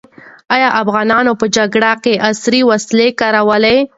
ایا افغانانو په جګړه کې عصري وسلې کارولې؟